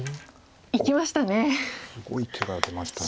いきましたね。